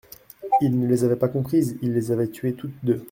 Il ne les avait pas comprises, il les avait tuées toutes deux.